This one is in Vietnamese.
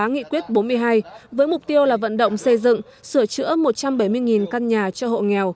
nghị quyết bốn mươi hai với mục tiêu là vận động xây dựng sửa chữa một trăm bảy mươi căn nhà cho hộ nghèo